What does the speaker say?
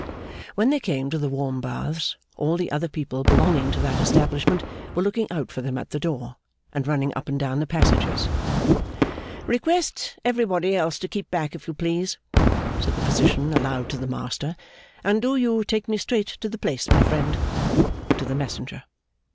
When they came to the warm baths, all the other people belonging to that establishment were looking out for them at the door, and running up and down the passages. 'Request everybody else to keep back, if you please,' said the physician aloud to the master; 'and do you take me straight to the place, my friend,' to the messenger.